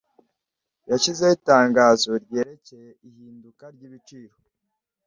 Yashyizeho itangazo ryerekeye ihinduka ryibiciro.